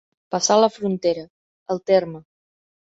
Passar la frontera, el terme.